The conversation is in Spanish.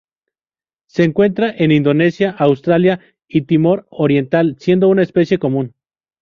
Se encuentra en Indonesia, Australia y Timor Oriental, siendo una especie común.